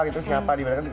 terus siapa kelihatan banget